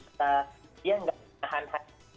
dia tidak menahan hatinya